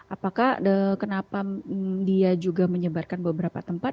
apakah kenapa dia juga menyebarkan beberapa tempat